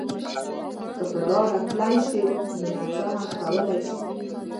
که په لاره تللی شئ نو نڅا هم کولای شئ.